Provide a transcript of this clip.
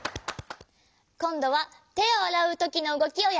こんどはてをあらうときのうごきをやってみよう。